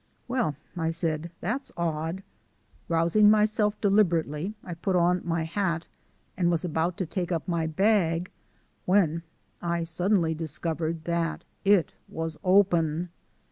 "Well," I said, "that's odd." Rousing myself deliberately I put on my hat and was about to take up my bag when I suddenly discovered that it was open.